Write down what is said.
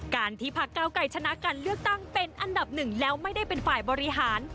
การที่พักเก้าไกรชนะการเลือกตั้งเป็นอันดับหนึ่งแล้วไม่ได้เป็นฝ่ายบริหาร